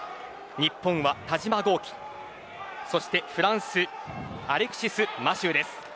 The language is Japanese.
日本は田嶋剛希そしてフランスはアレクシス・マシューです。